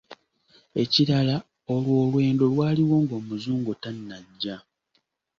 Ekirala lwo olwendo lwaliwo ng’Omuzungu tannajja